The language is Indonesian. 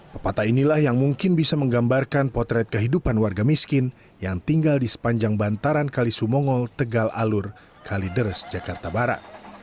pepatah inilah yang mungkin bisa menggambarkan potret kehidupan warga miskin yang tinggal di sepanjang bantaran kali sumongo tegal alur kalideres jakarta barat